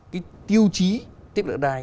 cái tiêu chí tiếp cận đất đai